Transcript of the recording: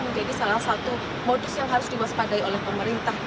menjadi salah satu modus yang harus diwaspadai oleh pemerintah